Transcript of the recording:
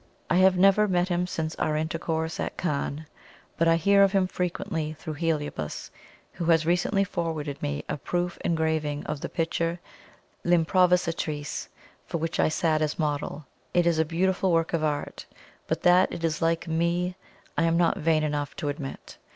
I have never met him since our intercourse at Cannes, but I hear of him frequently through Heliobas, who has recently forwarded me a proof engraving of the picture "L'Improvisatrice," for which I sat as model. It is a beautiful work of art, but that it is like ME I am not vain enough to admit.